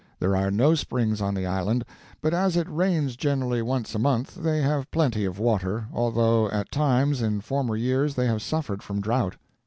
There are no springs on the island, but as it rains generally once a month they have plenty of water, although at times in former years they have suffered from drought.